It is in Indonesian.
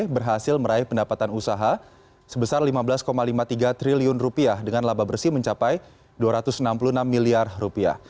berhasil meraih pendapatan usaha sebesar lima belas lima puluh tiga triliun rupiah dengan laba bersih mencapai dua ratus enam puluh enam miliar rupiah